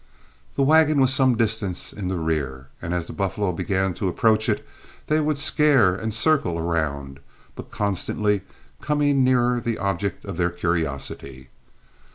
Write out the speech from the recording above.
The wagon was some distance in the rear, and as the buffalo began to approach it they would scare and circle around, but constantly coming nearer the object of their curiosity.